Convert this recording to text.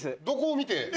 どこを見て？